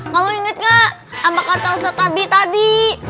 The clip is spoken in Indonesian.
kamu inget kak apa kata ustad abi tadi